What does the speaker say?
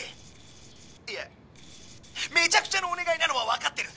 いやめちゃくちゃなお願いなのは分かってる！